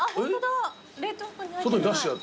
冷凍庫に入ってない。